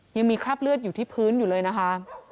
ยังมีคราบเลือดอยู่ที่พื้นอยู่เลยนะคะ